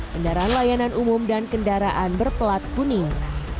kendaraan layanan umum dan kendaraan berplat kuning